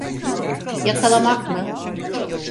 Yakalamak mı?